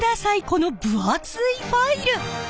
この分厚いファイル！